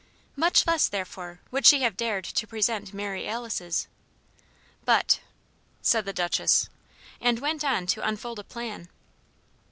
Much less, therefore, would she have dared to present Mary Alice's. "But !" said the Duchess, and went on to unfold a plan.